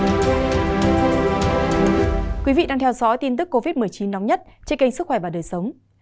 thưa quý vị đang theo dõi tin tức covid một mươi chín nóng nhất trên kênh sức khỏe và đời sống